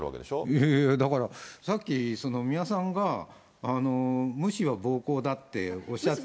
いやいや、だからさっき、三輪さんが無視は暴行だっておっしゃって。